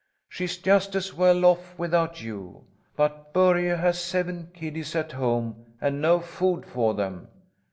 "She's just as well off without you. But Börje has seven kiddies at home, and no food for them.